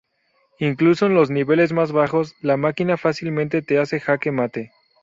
Incluso en los niveles más bajos, la máquina fácilmente te hace jaque mate.